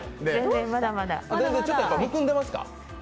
ちょっとむくんでますか？